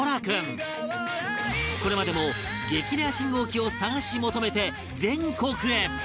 これまでも激レア信号機を探し求めて全国へ